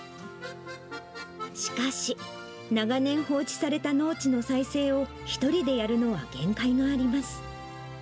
しかし、長年放置された農地の再生を１人でやるのは限界があります。